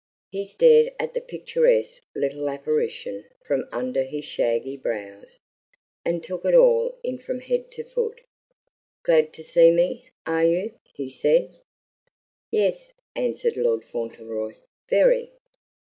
He stared at the picturesque little apparition from under his shaggy brows, and took it all in from head to foot. "Glad to see me, are you?" he said. "Yes," answered Lord Fauntleroy, "very."